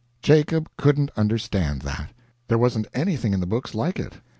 Jacob couldn't understand that. There wasn't anything in the books like it.